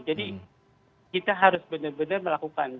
jadi kita harus benar benar melakukan